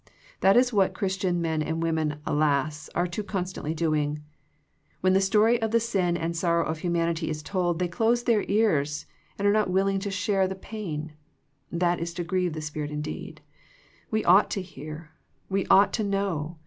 That is what Christian men and women, alas, are too constantly doing. When the story of the sin and sorrow of humanity is told, they close their ears and are not willing to share in the pain. That is to grieve the Spirit indeed. We ought to hear. We ought to know.